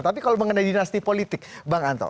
tapi kalau mengenai dinasti politik bang anto